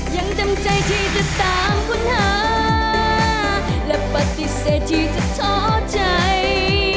ยังจำใจที่จะตามค้นหาและปฏิเสธที่จะท้อใจ